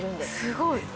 すごい！